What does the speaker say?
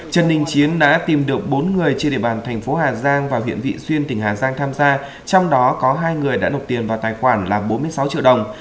trần đình chiến đã tìm được bốn người trên địa bàn thành phố hà giang và huyện vị xuyên tỉnh hà giang tham gia trong đó có hai người đã nộp tiền vào tài khoản là bốn mươi sáu triệu đồng